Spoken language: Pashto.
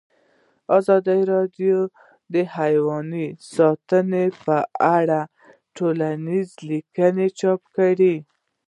ازادي راډیو د حیوان ساتنه په اړه څېړنیزې لیکنې چاپ کړي.